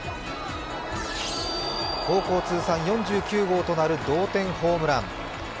高校通算４９号となる同点ホームラン。